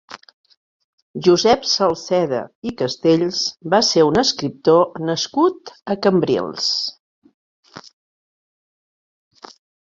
Josep Salceda i Castells va ser un escriptor nascut a Cambrils.